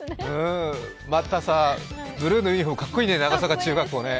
また、ブルーのユニフォームかっこいいね、長坂中学校ね。